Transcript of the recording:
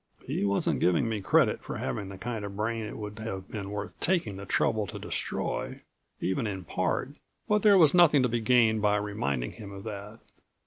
He wasn't giving me credit for having the kind of brain it would have been worth taking the trouble to destroy, even in part, but there was nothing to be gained by reminding him of that.